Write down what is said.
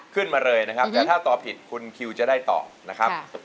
ขึ้นมาเลยนะครับแต่ถ้าตอบผิดคุณคิวจะได้ตอบนะครับ